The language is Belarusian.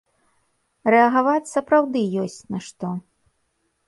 Рэагаваць сапраўды ёсць на што.